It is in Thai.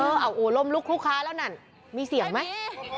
เอาโอ้ลมลุกลูกค้าแล้วนั่นมีเสียงไหม